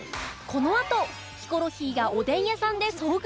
このあとヒコロヒーがおでん屋さんで遭遇した